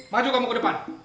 maju kamu ke depan